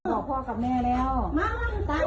ก็บอกว่าต่อพ่อกับแม่แล้ว